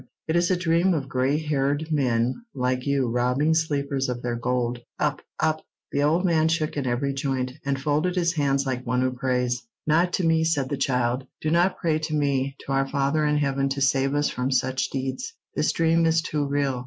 It is a dream of gray haired men like you robbing sleepers of their gold. Up, up!" The old man shook in every joint, and folded his hands like one who prays. "Not to me," said the child, "do not pray to me—to our Father in heaven to save us from such deeds. This dream is too real.